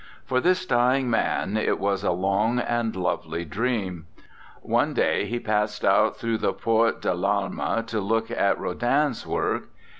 For this dying man it was a long and lovely dream. One day he passed out through the Porte de 1'Alma to look at Rodin's work.